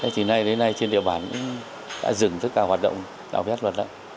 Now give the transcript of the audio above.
thì nay đến nay trên địa bản đã dừng tất cả hoạt động đạo vét luật lệch